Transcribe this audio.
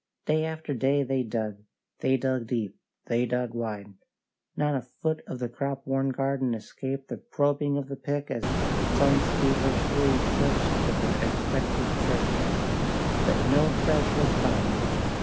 Day after day they dug; they dug deep; they dug wide. Not a foot of the crop worn garden escaped the probing of the pick as the sons feverishly searched for the expected treasure. But no treasure was found.